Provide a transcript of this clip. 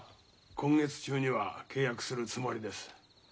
・今月中には契約するつもりです。